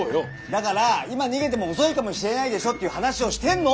だから今逃げても遅いかもしれないでしょっていう話をしてんの！